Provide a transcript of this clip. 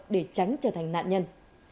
để tránh trở thành nạn nhân